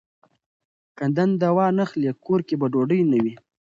که دنده وانخلي، کور کې به ډوډۍ نه وي.